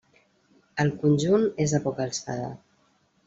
El conjunt és de poca alçada.